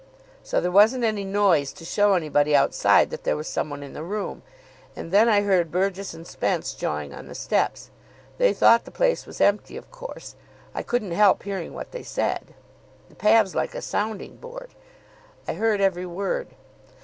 So there wasn't any noise to show anybody outside that there was some one in the room. And then I heard Burgess and Spence jawing on the steps. They thought the place was empty, of course. I couldn't help hearing what they said. The pav.'s like a sounding board. I heard every word.